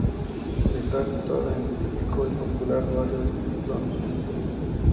Está situada en el típico y popular barrio de San Antón.